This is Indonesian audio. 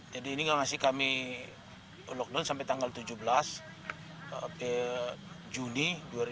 jadi ini ngasih kami lockdown sampai tanggal tujuh belas juni dua ribu dua puluh satu